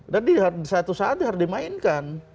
dan di satu saat itu harus dimainkan